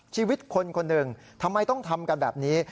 ชีวิตคนคนหนึ่งทำไมต้องทำกันแบบนี้